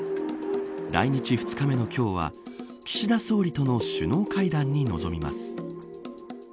来日２日目の今日は岸田総理との首脳会談に臨みます。